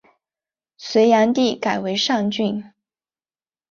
隋炀帝改为上郡。